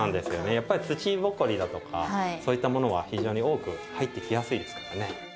やっぱり土ぼこりだとかそういったものが非常に多く入ってきやすいですからね。